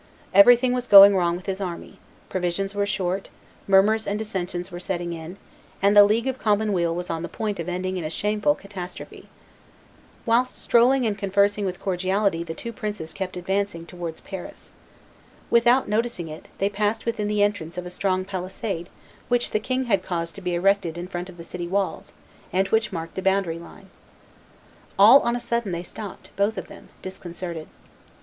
Everything was going wrong with his army; provisions were short; murmurs and dissensions were setting in; and the League of common weal was on the point of ending in a shameful catastrophe. Whilst strolling and conversing with cordiality the two princes kept advancing towards Paris. Without noticing it, they passed within the entrance of a strong palisade which the king had caused to be erected in front of the city walls, and which marked the boundary line. All on a sudden they stopped, both of them disconcerted.